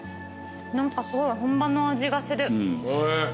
何かすごい本場の味がする。